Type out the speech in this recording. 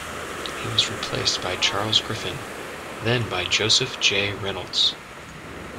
He was replaced by Charles Griffin, then by Joseph J. Reynolds.